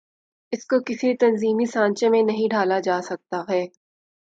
اس کو کسی تنظیمی سانچے میں نہیں ڈھا لا جا سکتا ہے۔